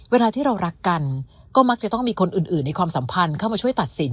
เวลาที่เรารักกันก็มักจะต้องมีคนอื่นในความสัมพันธ์เข้ามาช่วยตัดสิน